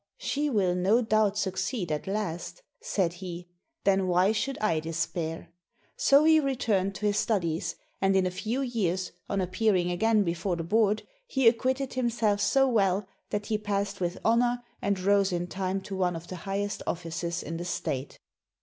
"She will no doubt succeed at last," said he; "then why should I despair?" So he returned to his studies, and in a few years, on appearing again before the board, he acquitted himself so well that he passed with honor and rose in time to one of the highest ofl5ces in the state.